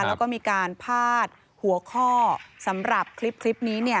แล้วก็มีการพาดหัวข้อสำหรับคลิปนี้เนี่ย